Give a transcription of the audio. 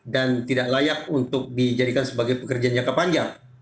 dan tidak layak untuk dijadikan sebagai pekerjaan jangka panjang